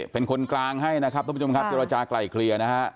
เป็นคนกลางให้นะครับทริบาทกระเท้า